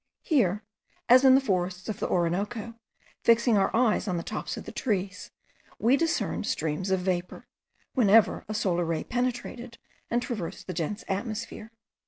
Here, as in the forests of the Orinoco, fixing our eyes on the top of the trees, we discerned streams of vapour, whenever a solar ray penetrated, and traversed the dense atmosphere.